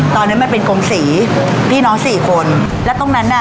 ตอนนั้นมันเป็นกรมศรีพี่น้องสี่คนแล้วตรงนั้นอ่ะ